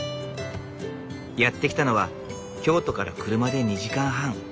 やって来たのは京都から車で２時間半。